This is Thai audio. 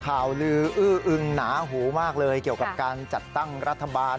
ข่าวลืออื้ออึงหนาหูมากเลยเกี่ยวกับการจัดตั้งรัฐบาล